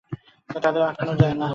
তাঁদের আটকানো যায় না।